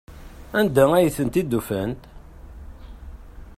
Anda ay tent-id-ufant?